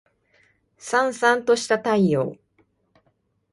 燦燦とした太陽